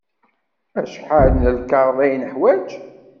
Acḥal n lkaɣeḍ ay neḥwaj?